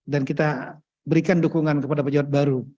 dan kita berikan dukungan kepada pejabat baru